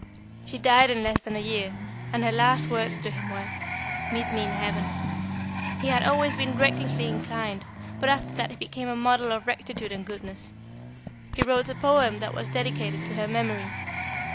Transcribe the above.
"She died in less than a year, and her last words to him were: 'Meet me in heaven.' He had always been recklessly inclined, but after that he became a model of rectitude and goodness. He wrote a poem that was dedicated to her memory.